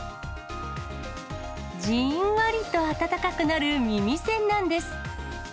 じんわりと温かくなる耳栓なんです。